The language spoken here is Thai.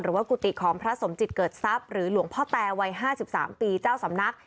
กุฏิของพระสมจิตเกิดทรัพย์หรือหลวงพ่อแตวัย๕๓ปีเจ้าสำนัก